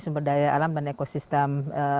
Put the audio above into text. sumberdaya alam dan ekosistem